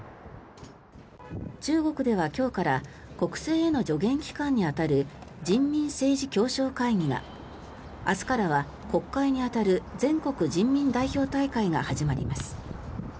中国では今日から国政への助言機関に当たる人民政治協商会議が明日からは、国会に当たる全国人民代表大会が始まります。